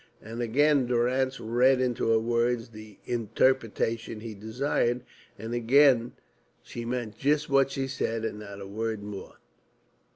And again Durrance read into her words the interpretation he desired; and again she meant just what she said, and not a word more.